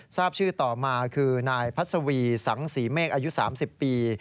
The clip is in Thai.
ทราบชื่อต่อมาคือนายพัศวีสังศรีเมฆอายุ๓๐ปี